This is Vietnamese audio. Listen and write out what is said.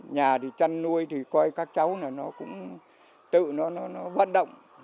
nhà thì chăn nuôi thì coi các cháu là nó cũng tự nó vận động